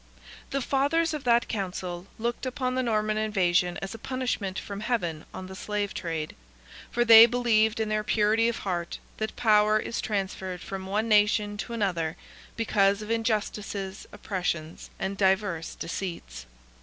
The fathers of that council looked upon the Norman invasion as a punishment from Heaven on the slave trade; for they believed in their purity of heart, that power is transferred from one nation to another, because of injustices, oppressions, and divers deceits.